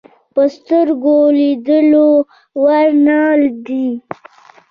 په سترګو د لیدلو وړ نه دي.